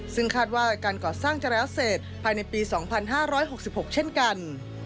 ซึ่งคาดว่าการก่อสร้างจะแล้วเสร็จภายในปีสองพันห้าร้อยหกสิบหกเช่นกัน